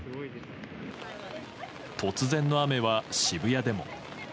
突然の雨は、渋谷でも。